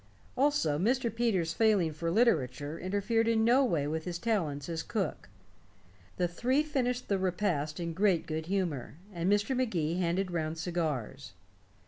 Also, Mr. Peters' failing for literature interfered in no way with his talents as cook. The three finished the repast in great good humor, and Mr. Magee handed round cigars.